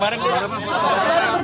bareng berdua pak